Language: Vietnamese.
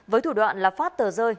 với thủ đoạn lập phát tờ rơi